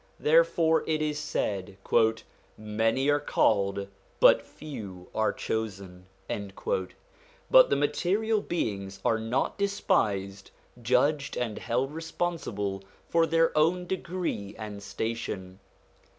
Therefore it is said: 'Many are called but few are chosen.' But the material beings are not despised, judged, and held responsible for their own degree and station.